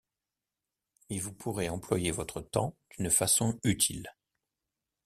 Mais vous pourrez employer votre temps d’une façon utile.